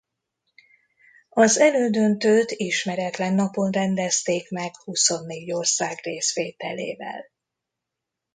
Az elődöntőt ismeretlen napon rendezték meg huszonnégy ország részvételével.